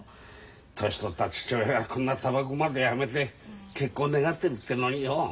年取った父親がこんなタバコまでやめて結婚願ってるってのによ。